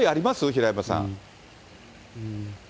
平山さん。